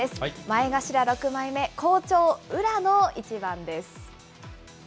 前頭６枚目、好調、宇良の一番です。